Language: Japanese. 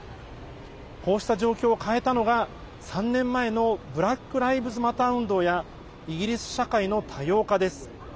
こうした状況を変えたのが３年前の、ブラック・ライブズ・マター運動やイギリス社会の多様化です。